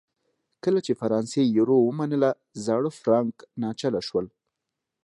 کله چې فرانسې یورو ومنله زاړه فرانک ناچله شول.